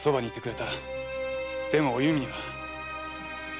でもお弓には。